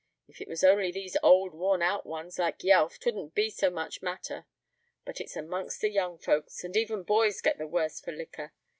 If it was only these old, worn out ones, like Yelf, 'twouldn't be so much matter; but it's amongst the young folks; and even boys get the worse for liquor.